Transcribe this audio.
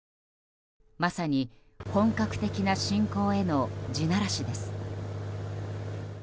まさに本格的な侵攻への地ならしです。